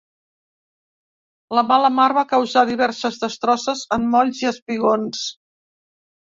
La mala mar va causar diverses destrosses en molls i espigons.